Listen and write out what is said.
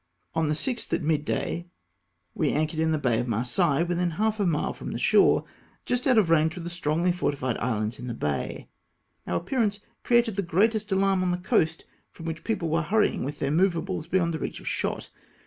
On the 6 th at midday, we anchored in the Bay of t3 278 THE GULF OF FOZ. Marseilles, within half a mile from the shore, just out of range of the strongly fortified islands in the bay. Om^ appearance created the greatest alarm on the coast, from which people were hurrying with their movables beyond the reach of shot.